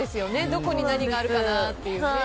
どこに何があるかなっていうね。